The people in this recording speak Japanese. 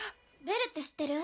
ベルって知ってる？